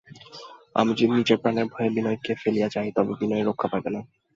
আমি যদি নিজের প্রাণের ভয়ে বিনয়কে ফেলিয়া যাই, তবে বিনয় রক্ষা পাইবে না।